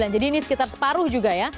jadi ini sekitar separuh juga ya